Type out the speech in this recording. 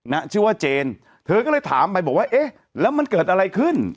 นะชื่อว่าเจนเธอก็เลยถามไปบอกว่าเอ๊ะแล้วมันเกิดอะไรขึ้น